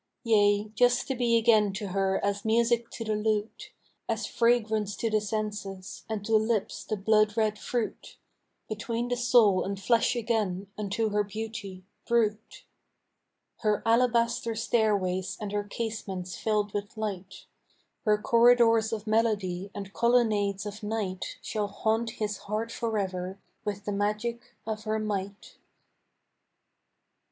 Yea, just to be again to her as music to the lute, As fragrance to the senses, and to lips the blood red fruit, Between the soul and flesh again, unto her beauty, brute. Her alabaster stairways and her casements filled with light, Her corridors of melody and colonnades of night Shall haunt his heart forever with the magic of her might!